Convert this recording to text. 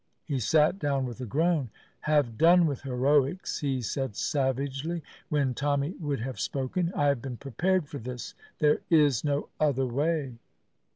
He sat down with a groan. "Have done with heroics," he said savagely, when Tommy would have spoken. "I have been prepared for this; there is no other way."